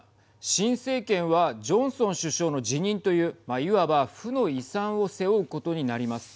新政権はジョンソン首相の辞任といういわば負の遺産を背負うことになります。